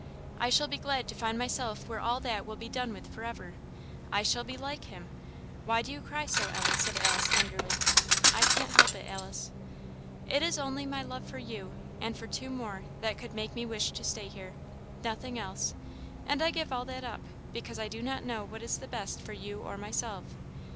I shall be glad to find myself where all that will be done with for ever. I shall be like him! Why do you cry so, Ellie?" said Alice, tenderly. "I can't help it, Alice." "It is only my love for you and for two more that could make me wish to stay here nothing else; and I give all that up, because I do not know what is best for you or myself.